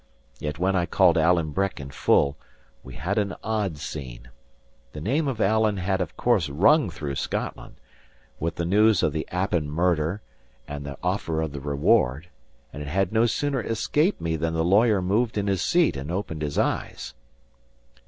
Yet when I called Alan Breck in full, we had an odd scene. The name of Alan had of course rung through Scotland, with the news of the Appin murder and the offer of the reward; and it had no sooner escaped me than the lawyer moved in his seat and opened his eyes.